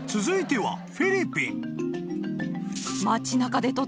［続いては］